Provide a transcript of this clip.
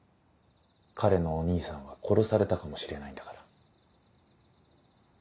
彼のお兄さんは殺されたかもしれないんだから。